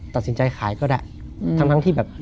ตัดสินใจขายก็ได้ทั้งที่แบบ